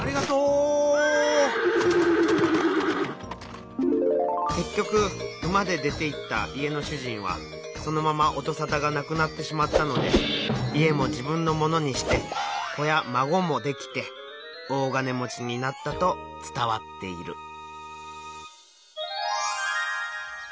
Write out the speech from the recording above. けっきょく馬で出ていった家の主人はそのまま音さたがなくなってしまったので家も自分のものにして子や孫もできて大金持ちになったとつたわっている。